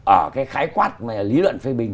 ở cái khái quát lý luận phê bình